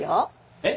えっ！